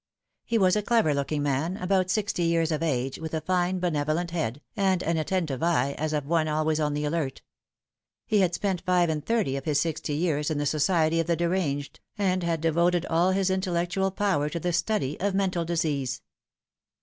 He was a clever looking man, about sixty years of age, with a fine benevolent head, and an attentive eye, as of one always on the alert. He had spent five and thirty of his sixty years in the society of the deranged, and had devoted all his intellec tual power to the study of mental disease.